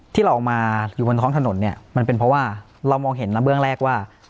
ที่เราออกมาอยู่บนท้องถนนเนี่ยมันเป็นเพราะว่าเรามองเห็นนะเบื้องแรกว่า